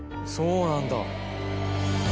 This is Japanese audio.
そうなんだ。